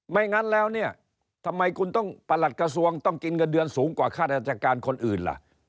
ไม่งั้นแล้วทำไมประหลัดกระทรวงต้องกินเงินเดือนสูงกว่าข้าราชการคนอื่นล่ะ